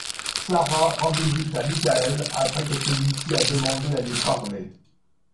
Sara rend visite à Michael après que celui-ci a demandé à lui parler.